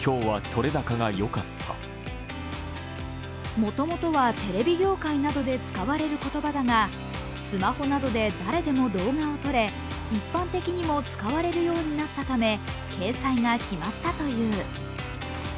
もともとはテレビ業界などで使われる言葉だがスマホなどで誰でも動画を撮れ一般的にも使われるようになったため、掲載が決まったという。